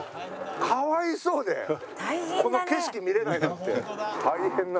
かわいそうでこの景色見られないなんて。